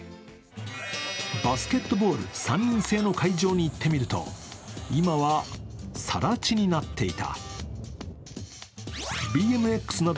バスケットボール３人制の会場に行ってみると今は、さら地になっていた。